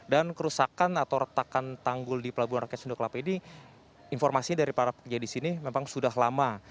dan kerusakan atau retakan tanggul di pelabuhan raket sunda kelapa ini informasi dari para pekerja di sini memang sudah lama